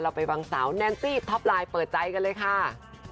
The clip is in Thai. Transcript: ไปฟังสาวแนนซี่ท็อปไลน์เปิดใจกันเลยค่ะ